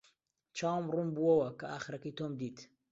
چاوم ڕوون بووەوە کە ئاخرەکەی تۆم دیت.